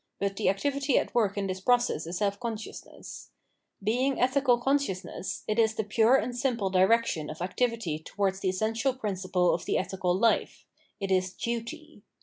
But the activity at work in this process is self consciousness. Being ethical consciousness, it is the 460 461 Ethical Action pure and simple direction of activity towards the essential principle of the ethical hfe — it is Duty.